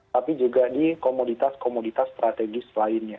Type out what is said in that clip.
tapi juga di komoditas komoditas strategis lainnya